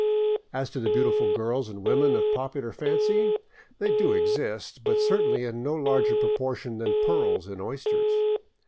As to the beautiful girls and women of popular fancy, they do exist, but certainly in no larger proportion than pearls in oysters.